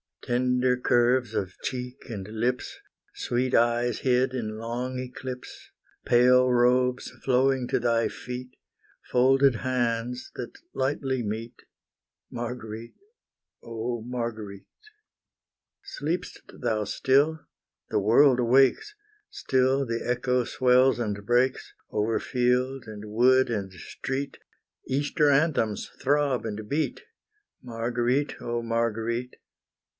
Tender curves of cheek and lips Sweet eyes hid in long eclipse Pale robes flowing to thy feet Folded hands that lightly meet, Marguerite, oh Marguerite! Sleep'st thou still? the world awakes, Still the echo swells and breaks, Over field, and wood, and street Easter anthems throb and beat, Marguerite, oh Marguerite!